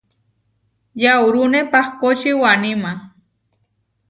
Yaurúne pahkóči Waníma.